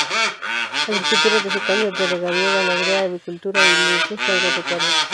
Agricultura de secano y de regadío, ganadería, avicultura e industria agropecuaria.